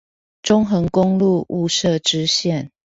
中橫公路霧社支線